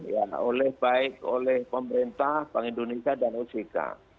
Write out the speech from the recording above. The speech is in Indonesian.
ya oleh baik oleh pemerintah bank indonesia dan ojk